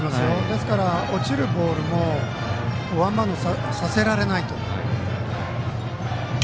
ですから、落ちるボールもワンバウンドさせられないと。